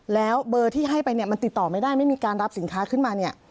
แล้วเบอร์ที่ให้ไปเนี่ยมันติดต่อไม่ได้ไม่มีการรับสินค้าขึ้นมาเนี่ย